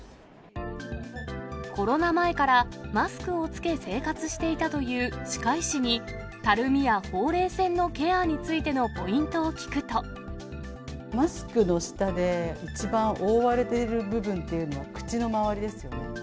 コロナ前からマスクを着け、生活していたという歯科医師にたるみやほうれい線のケアについてマスクの下で、一番覆われている部分っていうのは、口の周りですよね。